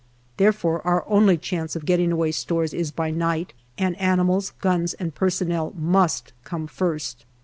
Therefore our only chance of getting away stores is by night, and animals, guns, and personnel must come first.